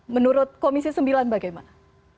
menurut komisi sembilan bagaimana